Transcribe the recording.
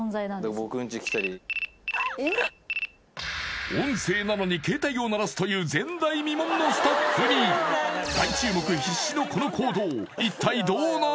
僕んち来たり音声なのに携帯を鳴らすという前代未聞のスタッフに大注目必至のこの行動一体どうなる！？